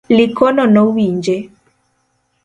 Likono nowinje